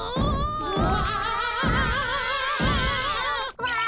うわ。